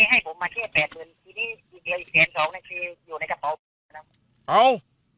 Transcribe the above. จากตอบบที่อนุมัติมา